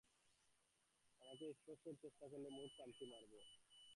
আমাকে স্পর্শের চেষ্টা করলে, মুখ খামচি মারবো।